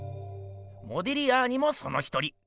モディリアーニもその一人。